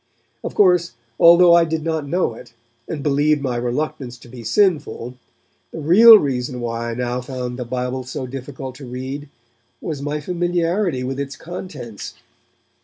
Of course, although I did not know it, and believed my reluctance to be sinful, the real reason why I now found the Bible so difficult to read was my familiarity with its contents.